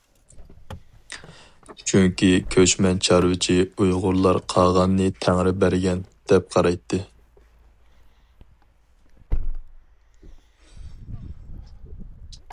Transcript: چۈنكى كۆچمەن چارۋىچى ئۇيغۇرلار قاغاننى تەڭرى بەرگەن، دەپ قارايتتى.